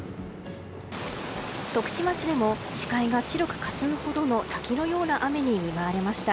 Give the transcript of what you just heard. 徳島市でも視界が白くかすむほどの滝のような雨に見舞われました。